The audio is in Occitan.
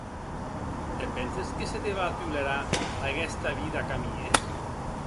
Te penses que se te va a tolerar aguesta vida qu’amies?